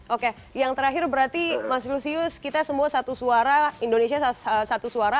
oke yang terakhir berarti mas lusius kita semua satu suara indonesia satu suara